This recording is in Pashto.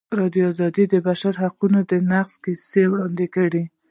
ازادي راډیو د د بشري حقونو نقض کیسې وړاندې کړي.